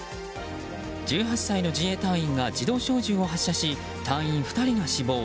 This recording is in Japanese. １８歳の自衛隊員が自動小銃を発射し隊員２人が死亡。